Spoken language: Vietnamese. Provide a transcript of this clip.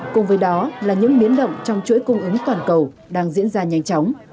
cùng với đó là những biến động trong chuỗi cung ứng toàn cầu đang diễn ra nhanh chóng